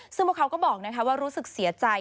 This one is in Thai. ซึ่งพวกเขาก็บอกว่ารู้สึกเสียใจ